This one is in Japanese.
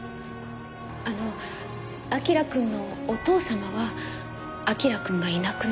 あの彬くんのお父様は彬くんがいなくなった事を？